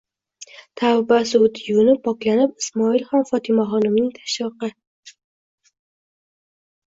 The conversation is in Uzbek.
tavba suvida yuvinib, poklanib, Ismoil ham Fotimaxonimning tashviqi